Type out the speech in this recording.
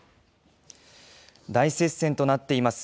大接戦となっています